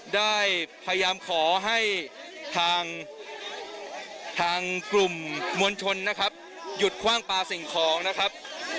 ได้พยายามขอให้ทางกลุ่มมวลชนนะครับหยุดคว่างปลาสิ่งของนะครับ